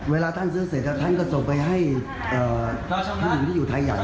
เวลาท่านซื้อเสร็จท่านก็ส่งไปให้ผู้หญิงที่อยู่ไทยใหญ่